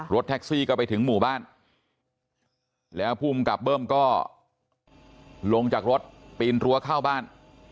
รถแท็กซี่ก็ไปถึงหมู่บ้านแล้วภูมิกับเบิ้มก็ลงจากรถปีนรั้วเข้าบ้าน